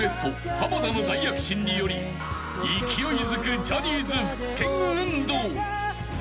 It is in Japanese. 濱田の大躍進により勢いづくジャニーズ復権運動］